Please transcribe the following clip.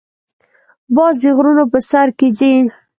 باز د غرونو په سر کې ځې